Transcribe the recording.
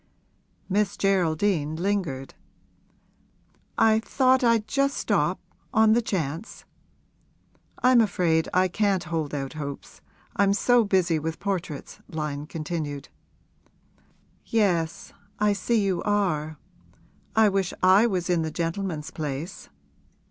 Miss Geraldine lingered. 'I thought I'd just stop, on the chance.' 'I'm afraid I can't hold out hopes, I'm so busy with portraits,' Lyon continued. 'Yes; I see you are. I wish I was in the gentleman's place.'